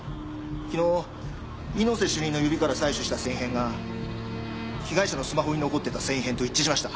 昨日猪瀬主任の指から採取した繊維片が被害者のスマホに残ってた繊維片と一致しました。